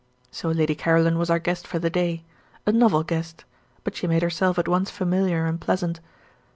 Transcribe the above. So Lady Caroline was our guest for the day a novel guest but she made herself at once familiar and pleasant.